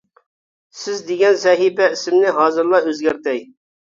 سىز دېگەن سەھىپە ئىسمىنى ھازىرلا ئۆزگەرتەي!